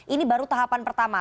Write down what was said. ini baru tahapan pertama